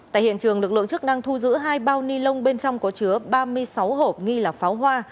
tại hiện trường lực lượng chức năng thu giữ hai bao ni lông bên trong có chứa ba mươi sáu hộp nghi là pháo hoa